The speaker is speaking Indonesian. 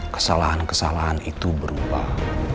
kesalahan kesalahan itu berubah